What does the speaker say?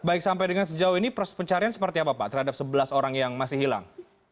baik sampai dengan sejauh ini proses pencarian seperti apa pak terhadap sebelas orang yang masih hilang